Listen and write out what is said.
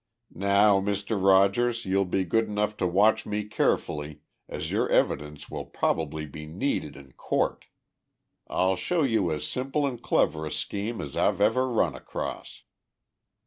"Now, Mr. Rogers, you'll be good enough to watch me carefully, as your evidence will probably be needed in court. I'll show you as simple and clever a scheme as I've ever run across."